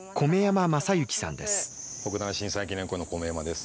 北淡震災記念公園の米山です。